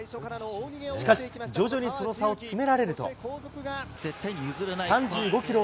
しかし、徐々にその差を詰められると。